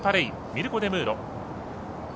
ミルコ・デムーロ。